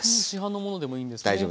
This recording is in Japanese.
市販のものでもいいんですね。